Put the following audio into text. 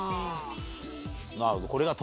なるほど。